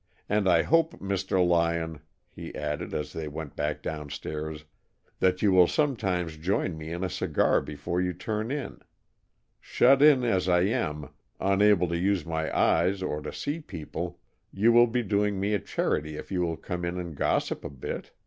And I hope, Mr. Lyon," he added, as they went back downstairs, "that you will sometimes join me in a cigar before you turn in. Shut in as I am, unable to use my eyes or to see people, you will be doing me a charity if you will come in and gossip a bit.